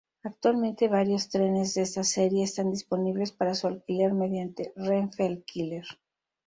Actualmente varios trenes de esta serie están disponibles para su alquiler mediante Renfe Alquiler.